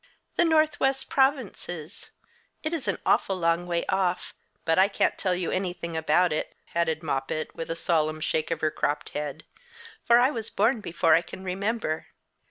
"The northwest provinces. It's an awful long way off but I can't tell you anything about it," added Moppet, with a solemn shake of her cropped head, "for I was born before I can remember.